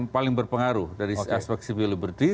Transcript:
paling berpengaruh dari aspek civil liberty